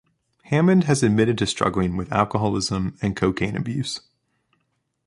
Hammond has admitted to struggling with alcoholism and cocaine abuse.